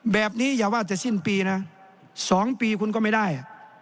แบบนี้อย่าว่าจะสิ้นปีนะสองปีคุณก็ไม่ได้